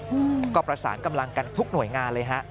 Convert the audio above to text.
อืมก็ประสานกำลังกันทุกหน่วยงานเลยฮะ